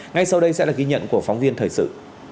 ngay sau đây sẽ là ghi nhận của phóng viên thời sự